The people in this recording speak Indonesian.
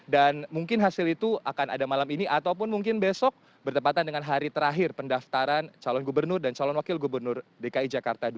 dan mungkin hasil itu akan ada malam ini ataupun mungkin besok bertepatan dengan hari terakhir pendaftaran calon gubernur dan calon wakil gubernur dki jakarta dua ribu tujuh belas